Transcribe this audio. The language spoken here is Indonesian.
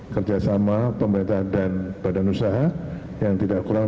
kerjasama pemerintah dan badan usaha yang tidak kurang